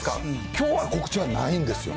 きょうは告知はないんですよ。